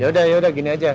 yaudah yaudah gini aja